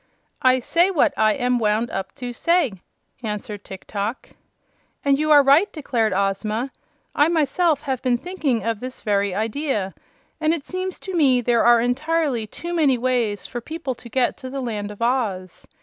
"I say what I am wound up to say," answered Tiktok. "And you are right," declared Ozma. "I myself have been thinking of this very idea, and it seems to me there are entirely too many ways for people to get to the Land of Oz.